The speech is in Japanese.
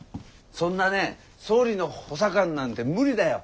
そんなね総理の補佐官なんて無理だよ。